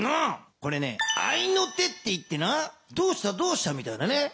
これね合いの手っていってな「どうしたどうした？」みたいなね。